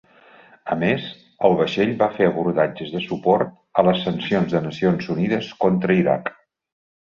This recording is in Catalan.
A més, el vaixell va fer abordatges de suport a les sancions de Nacions Unides contra Iraq.